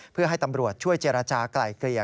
เพื่อให้ตำรวจช่วยเจรจากลายเกลี่ย